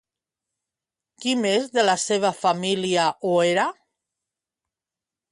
Qui més de la seva família ho era?